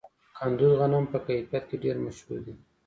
د کندز غنم په کیفیت کې ډیر مشهور دي.